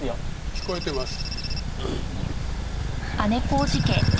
聞こえてます。